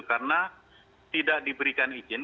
karena tidak diberikan izin